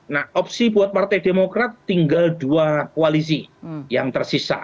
nah opsi buat partai demokrat tinggal dua koalisi yang tersisa